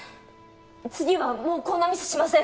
次はもうこんなミスしません。